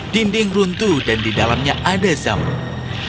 dinding runtuh dan di dalamnya ada zamruk